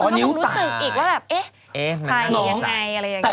ก็คงรู้สึกอีกว่าแบบเอ๊ะภายในยังไง